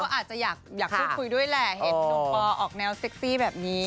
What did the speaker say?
อาจจะอยากพูดคุยด้วยแหละเห็นหนุ่มปอออกแนวเซ็กซี่แบบนี้